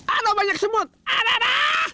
ada banyak semut ada